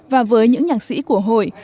và với những nhạc sĩ của hội